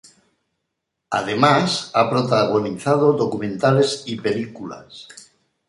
Además, ha protagonizado documentales y películas.